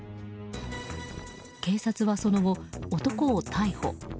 警察はその後、男を逮捕。